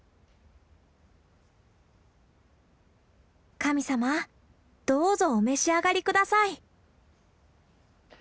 神様どうぞお召し上がり下さい。